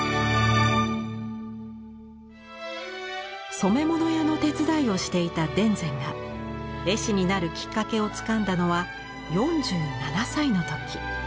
染め物屋の手伝いをしていた田善が絵師になるきっかけをつかんだのは４７歳の時。